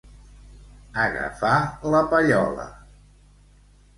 Agafar la pallola.